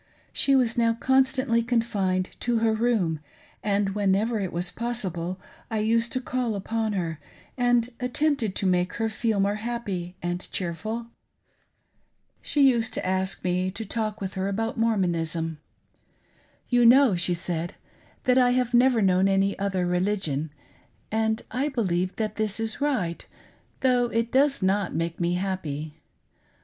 She was now constantly confined to her room, and whenever it was possible I used to call upon her, and attempted to make her feel more happy and cheerful. She used to ask me to talk "I AM WEARY WAITING FOR DEATH." 441 with her about Mormonism. "You know," she said, "that I have never known' any other religion, and I believe that this is right though it does not make me happy.